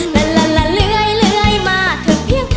ละละละเลื่อยมากกว่าเพียง